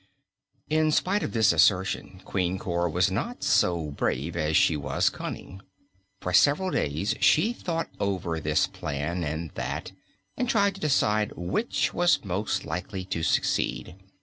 In spite of this assertion, Queen Cor was not so brave as she was cunning. For several days she thought over this plan and that, and tried to decide which was most likely to succeed.